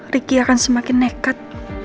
ricky akan semakin nekat